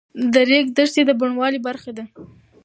د ریګ دښتې د بڼوالۍ برخه ده.